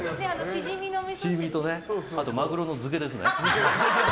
シジミとマグロの漬けですね。